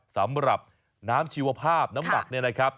สำหรับน้ำชีวภาพน้ำหมักเนี่ยนะครับ